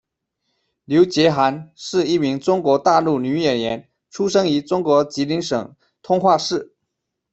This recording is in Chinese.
刘洁涵，是一名中国大陆女演员，出生于中国吉林省通化市。